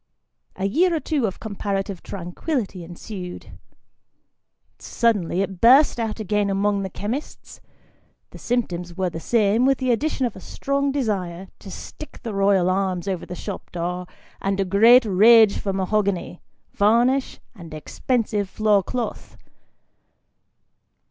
A year or two of comparative tranquillity ensued. Suddenly it burst out again amongst the chemists ; the symptoms were the same, with the addition of a strong desire to stick the royal arms over the shop door, and a great rage for mahogany, varnish, and expensive floor cloth.